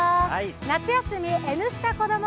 夏休み「Ｎスタ」子ども